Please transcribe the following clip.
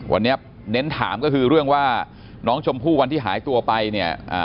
วันนี้เน้นถามก็คือเรื่องว่าน้องชมพู่วันที่หายตัวไปเนี่ย